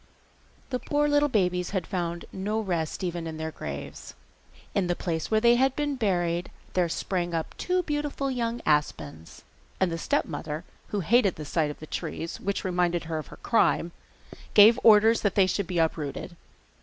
The poor little babies had found no rest even in their graves. In the place where they had been buried there sprang up two beautiful young aspens, and the stepmother, who hated the sight of the trees, which reminded her of her crime, gave orders that they should be uprooted.